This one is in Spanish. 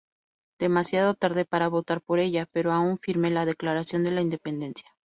Demasiado tarde para votar por ella, pero aún firme la Declaración de la Independencia.